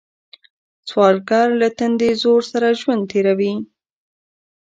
سوالګر له تندي زور سره ژوند تېروي